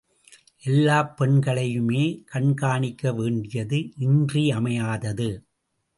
எல்லாப் பெண்களையுமே கண்காணிக்க வேண்டியது இன்றியமையாதது.